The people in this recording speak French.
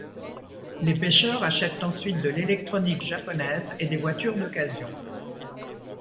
Les pêcheurs achètent ensuite de l'électronique japonaise et des voitures d'occasion.